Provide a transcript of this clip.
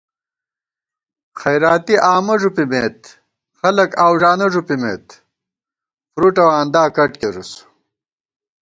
خیراتی آمہ ݫُپِمېت خلَک آؤوݫانہ ݫُپِمېت فرُوٹ اؤ آندا کٹ کېرُس